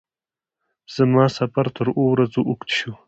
زما سفر تر اوو ورځو اوږد شو.